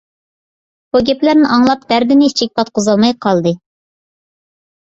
بۇ گەپلەرنى ئاڭلاپ، دەردىنى ئىچىگە پاتقۇزالماي قالدى.